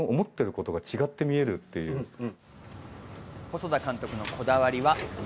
細田監督のこだわりは間。